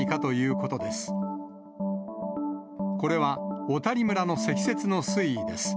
これは、小谷村の積雪の推移です。